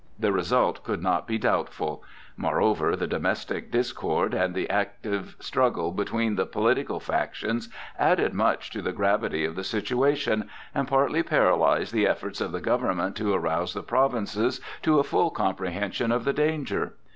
The result could not be doubtful. Moreover the domestic discord and the active struggle between the political factions added much to the gravity of the situation, and partly paralyzed the efforts of the government to arouse the provinces to a full comprehension of the danger.